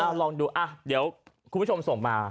ลองดูอ่ะเดี๋ยวคุณผู้ชมส่งมา